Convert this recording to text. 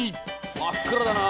真っ暗だな。